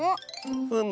ふむ。